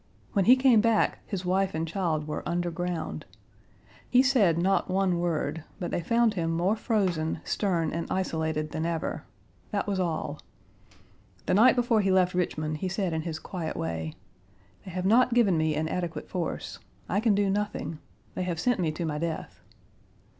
When he came back, his wife and child were underground. He said not one word, but they found him more frozen, stern, and isolated than ever; that was all. The night before he left Richmond he said in his quiet way: "They have not given me an adequate force. I can do nothing. They have sent me to my death."